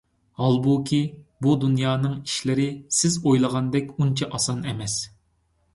ھالبۇكى، بۇ دۇنيانىڭ ئىشلىرى سىز ئويلىغاندەك ئۇنچە ئاسان ئەمەس.